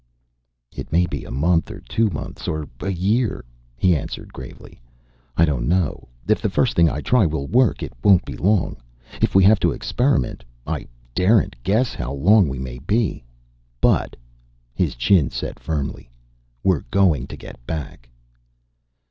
"It may be a month, or two months, or a year," he answered gravely. "I don't know. If the first thing I try will work, it won't be long. If we have to experiment, I daren't guess how long we may be. But" his chin set firmly "we're going to get back."